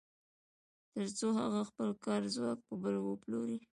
تر څو هغه خپل کاري ځواک په بل وپلوري